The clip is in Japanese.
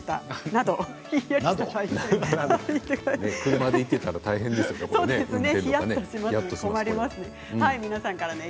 車で行っていたら大変ですよね